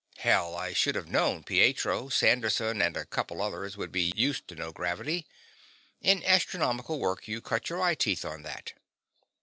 Hell, I should have known Pietro, Sanderson and a couple others would be used to no grav; in astronomical work, you cut your eye teeth on that.